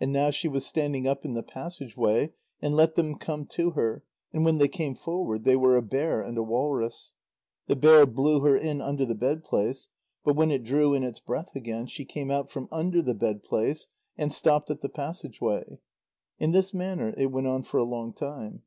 And now she was standing up in the passage way, and let them come to her, and when they came forward, they were a bear and a walrus. The bear blew her in under the bedplace, but when it drew in its breath again, she came out from under the bedplace and stopped at the passage way. In this manner it went on for a long time.